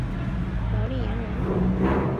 姚令言人。